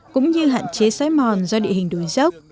cũng như hạn chế xoáy mòn do địa hình đối dốc